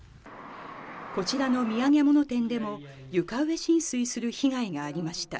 こちらの土産物店でも、床上浸水する被害がありました。